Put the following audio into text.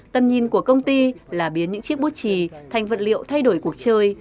tầm nhìn của công ty là biến những chiếc bút trì thành vật liệu thay đổi cuộc chơi